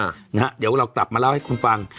เดี๋ยวเรากลับมาเล่าให้คุณฟัง